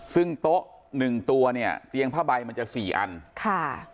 ซึ่งโต๊ะหนึ่งตัวเนี่ยเตียงผ้าใบมันจะสี่อันค่ะ